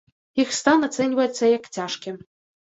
Іх стан ацэньваецца як цяжкі.